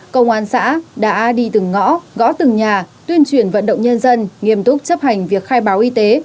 công an xã đã đi từng ngõ gõ từng nhà tuyên truyền vận động nhân dân nghiêm túc chấp hành việc khai báo y tế